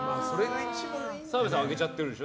澤部さんはあげちゃってるでしょ。